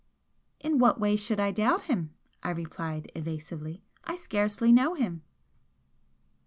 "In what way should I doubt him?" I replied, evasively "I scarcely know him!"